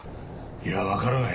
いやわからない。